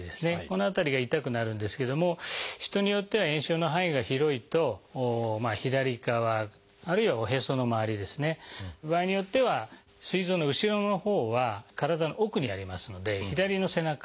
この辺りが痛くなるんですけども人によっては炎症の範囲が広いと左側あるいはおへその周りですね場合によってはすい臓の後ろのほうは体の奥にありますので左の背中